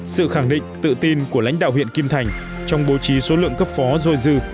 sự khẳng định tự tin của lãnh đạo huyện kim thành trong bố trí số lượng cấp phó dôi dư